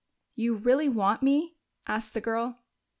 "You really want me?" asked the girl.